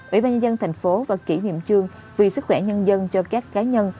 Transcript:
ủy ban nhân dân thành phố và kỷ niệm trương vì sức khỏe nhân dân cho các cá nhân